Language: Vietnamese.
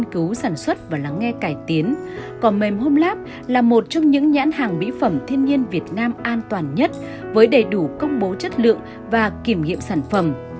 cỏ mềm homelab là một trong những nhãn hàng mỹ phẩm thiên nhiên việt nam an toàn nhất với đầy đủ công bố chất lượng và kiểm nghiệm sản phẩm